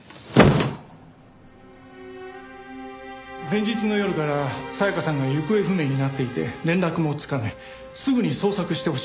前日の夜から沙耶香さんが行方不明になっていて連絡もつかないすぐに捜索してほしいと。